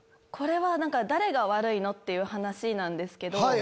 これは誰が悪いの？っていう話なんですけど。